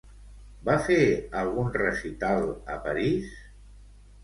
Va fer algun recital a París?